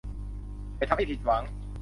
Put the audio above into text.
ไม่ทำให้ผิดหวัง